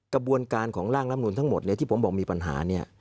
กระบวนการของร่างร่ำนุนทั้งหมดที่ผมบอกมีปัญหา